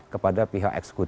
kepada pihak eksekutif